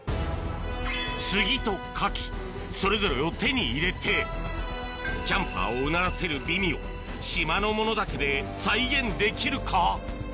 杉とカキそれぞれを手に入れてキャンパーをうならせる美味を島のものだけで再現できるか？